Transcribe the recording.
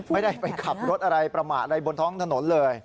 ไม่ได้ไปขับรถอะไรประมาทอะไรบนท้องถนนเลย